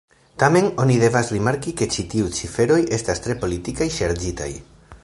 Tamen, oni devas rimarki ke ĉi tiuj ciferoj estas tre politike ŝarĝitaj.